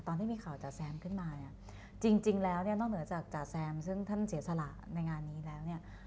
ตอนที่มีข่าวจ๋าแซมขึ้นมาเนี่ยจริงแล้วเนี่ยนอกเหนือจากจ๋าแซมซึ่งท่านเสียสละในงานนี้แล้วเนี่ย